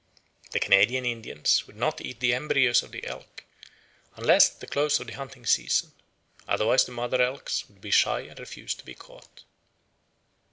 The Canadian Indians would not eat the embryos of the elk, unless at the close of the hunting season; otherwise the mother elks would be shy and refuse to be caught.